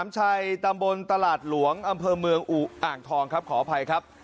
ตำบลตลาดหลวงอำเภอเมืองอ่างทองครับขออภัยครับ